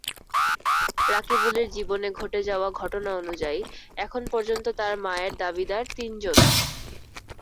রাকিবুলের জীবনে ঘটে যাওয়া ঘটনা অনুযায়ী, এখন পর্যন্ত তার মায়ের দাবিদার তিনজন।